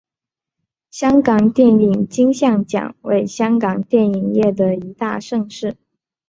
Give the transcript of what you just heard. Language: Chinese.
香港电影金像奖为香港电影业的一大盛事。